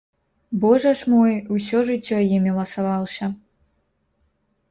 Божа ж мой, усё жыццё імі ласаваўся!